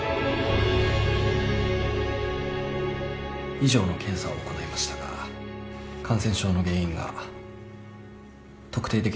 以上の検査を行いましたが感染症の原因が特定できませんでした。